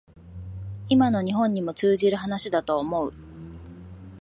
今の日本にも通じる話だと思う